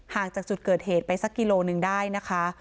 จากจุดเกิดเหตุไปสักกิโลหนึ่งได้นะคะ